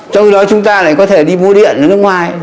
trong đó chúng ta lại có thể đi mua điện nước ngoài